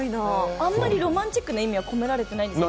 あまりロマンチックな意味は込められていないんですね。